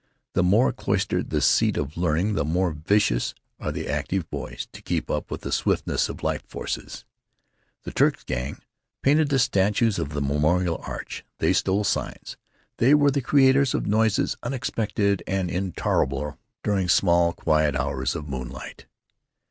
The more cloistered the seat of learning, the more vicious are the active boys, to keep up with the swiftness of life forces. The Turk's gang painted the statues of the Memorial Arch; they stole signs; they were the creators of noises unexpected and intolerable, during small, quiet hours of moonlight.